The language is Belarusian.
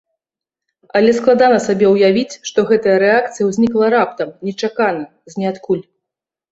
Але складана сабе ўявіць, што гэтая рэакцыя ўзнікла раптам, нечакана, з ніадкуль.